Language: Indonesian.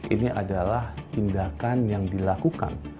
ini adalah tindakan yang dilakukan